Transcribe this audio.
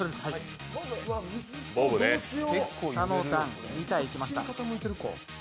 下の段、２体いきました。